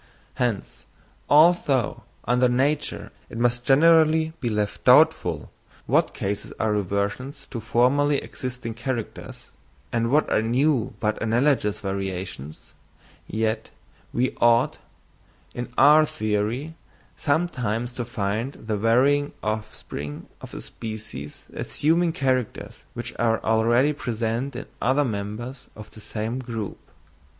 Hence, although under nature it must generally be left doubtful, what cases are reversions to formerly existing characters, and what are new but analogous variations, yet we ought, on our theory, sometimes to find the varying offspring of a species assuming characters which are already present in other members of the same group.